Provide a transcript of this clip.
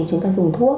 chúng ta dùng thuốc